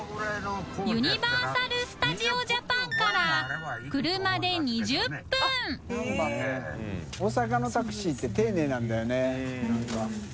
「ユニバーサル・スタジオ・ジャパン」から車で２０分膾紊離織掘爾辰丁寧なんだよね何か。